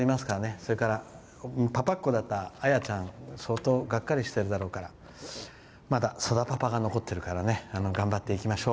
それからパパっ子だった綾ちゃん相当がっかりしているだろうからまだ、さだパパが残っているから頑張っていきましょう。